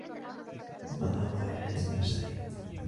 وَقَدْ رَوَى يَحْيَى بْنُ سَعِيدٍ